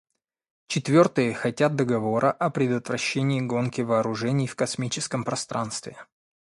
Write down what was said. Четвертые хотят договора о предотвращении гонки вооружений в космическом пространстве.